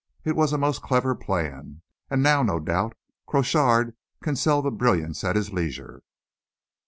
"It was a most clever plan; and now, no doubt, Crochard can sell the brilliants at his leisure."